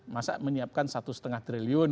masa menyiapkan satu lima triliun